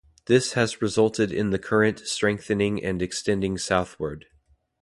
This has resulted in the current strengthening and extending southward.